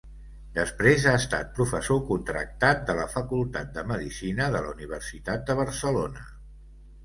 Després ha estat professor contractat de la Facultat de Medicina de la Universitat de Barcelona.